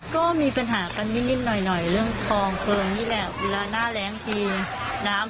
ก็มีปัญหากันนิดหน่อยเรื่องคลองเกลือนี่แหละ